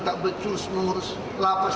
tak becus mengurus lapas